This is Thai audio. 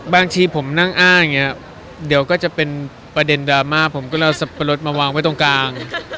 บางทีผมนั่งอ้างอย่างนี้เดี๋ยวก็จะเป็นประเด็นดราม่าผมก็เลยเอาสับปะรดมาวางไว้ตรงกลาง